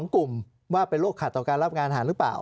กลุ่มว่าเป็นโรคขัดต่อการรับงานอาหารหรือเปล่า